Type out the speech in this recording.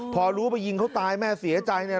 พอรู้ไปยิงเขาตายแม่เสียใจเนี่ย